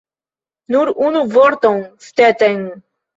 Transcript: Nur unu vorton, Stetten!